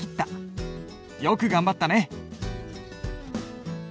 よく頑張ったね。